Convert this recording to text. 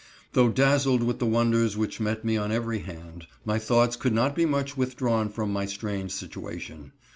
Though dazzled with the wonders which met me on every hand, my thoughts could not be much withdrawn from my strange situation.